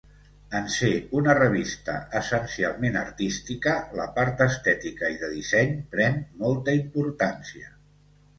En ser una revista essencialment artística, la part estètica i de disseny pren molta importància.